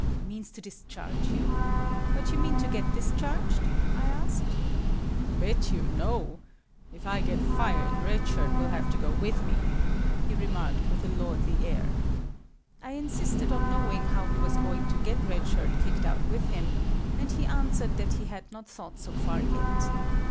"Means to discharge you? But you mean to get discharged?" I asked. "Bet you, no. If I get fired, Red Shirt will have to go with me," he remarked with a lordly air. I insisted on knowing how he was going to get Red Shirt kicked out with him, and he answered that he had not thought so far yet.